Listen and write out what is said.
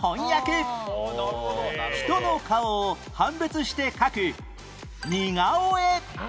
人の顔を判別して描く似顔絵